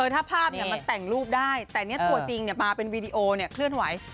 ถ้าภาพมันแต่งรูปได้แต่ตัวจริงมาเป็นวีดีโอเนี่ยเคลื่อนไหว